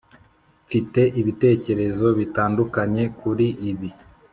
mfite ibitekerezo bitandukanye kuri ibi.